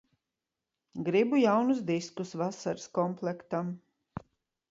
Gribu jaunus diskus vasaras komplektam.